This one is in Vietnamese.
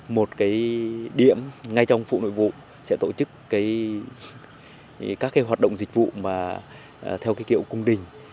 một cái điểm ngay trong phủ nội vụ sẽ tổ chức các hoạt động dịch vụ theo kiểu cung đình